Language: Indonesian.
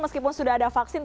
meskipun sudah ada vaksin